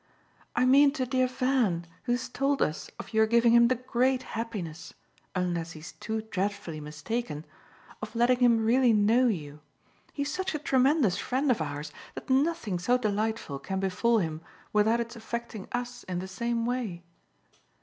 "I mean to dear Van, who has told us of your giving him the great happiness unless he's too dreadfully mistaken of letting him really know you. He's such a tremendous friend of ours that nothing so delightful can befall him without its affecting us in the same way."